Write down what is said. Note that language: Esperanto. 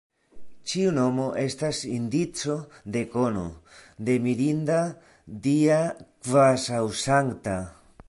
Ĉiu nomo estas indico de kono, de mirinda, dia, kvazaŭ sankta.